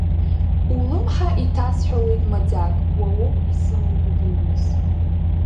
Улымҳа иҭасҳәауеит маӡак, уауоуп исымоу гәыбылҩыс…